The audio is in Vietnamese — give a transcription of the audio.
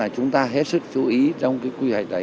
chúng ta hết sức chú ý trong cái quy hoạch đấy